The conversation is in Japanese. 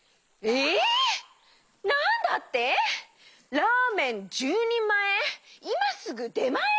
ラーメン１０にんまえいますぐでまえ！？